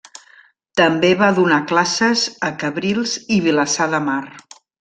També va donar classes a Cabrils i Vilassar de Mar.